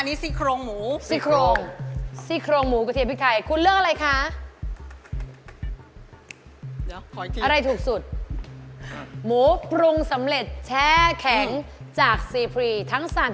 เนื้อหมูล้วนเลยเนอะสองร้อยห้าสิบกรัม